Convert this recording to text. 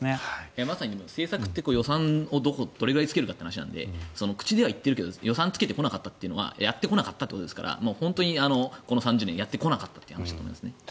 まさに政策って予算をどれくらいつけるかという話なので口では言っているけど予算をつけてこなかったというのはやってこなかったってことですから本当にこの３０年やってこなかったという話だと思います。